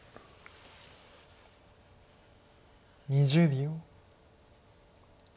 ２０秒。